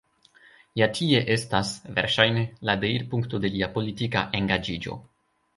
Ja tie estas, verŝajne, la deirpunkto de lia politika engaĝiĝo.